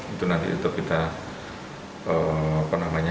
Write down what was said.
itu nanti kita penamanya